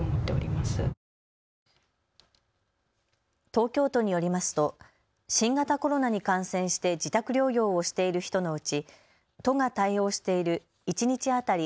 東京都によりますと新型コロナに感染して自宅療養をしている人のうち都が対応している一日当たり